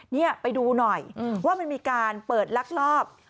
นี่ไปดูหน่อยว่ามันมีการเปิดลักลอบ